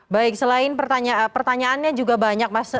baik selain pertanyaannya juga banyak mas